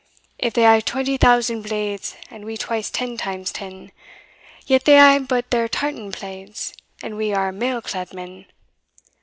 "If they hae twenty thousand blades, And we twice ten times ten, Yet they hae but their tartan plaids, And we are mail clad men.